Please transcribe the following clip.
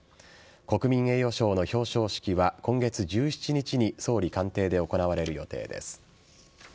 国民栄誉賞の表彰式は今月１７日に総理官邸で行われる予定です。